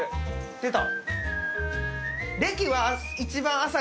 出た。